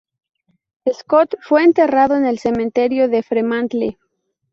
Scott fue enterrado en el cementerio de Fremantle.